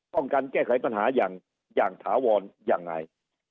ป้องกันแก้ไขปัญหาอย่างอย่างถาวรอย่างไร